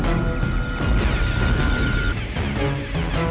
nah dari sana